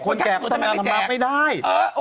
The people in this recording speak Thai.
ก็คนแก่ทำไมไม่ได้